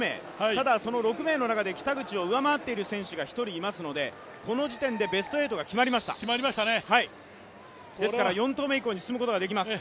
ただその６名の中で北口を上回っている選手が１人いますのでこの時点でベスト８が決まりましたですから４投目以降に進むことができます。